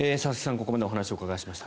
ここまでお話をお伺いしました。